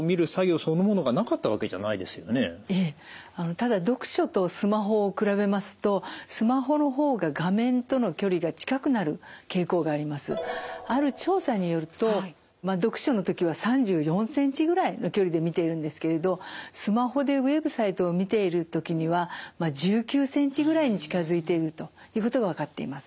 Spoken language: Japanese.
ただ読書とスマホを比べますとある調査によると読書の時は３４センチぐらいの距離で見ているんですけれどスマホでウェブサイトを見ている時には１９センチぐらいに近づいているということが分かっています。